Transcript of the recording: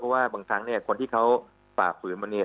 เพราะว่าบางครั้งเนี่ยคนที่เขาฝ่าฝืนมาเนี่ย